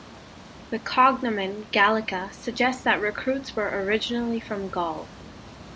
The cognomen "Gallica" suggests that recruits were originally from Gaul.